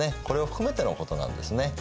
これを含めてのことなんですね。